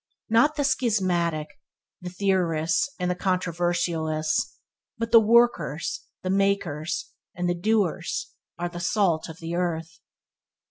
Not the schismatic, the theorists and the controversialists, but the workers, the makers, and the doers are the salt of the earth.